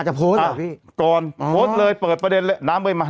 โพสต์เหรอพี่ก่อนโพสต์เลยเปิดประเด็นเลยน้ำไปมา